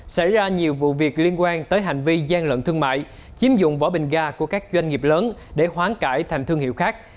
xảy ra nhiều vụ việc liên quan tới hành vi gian lận thương mại chiếm dụng vỏ bình ga của các doanh nghiệp lớn để hoán cải thành thương hiệu khác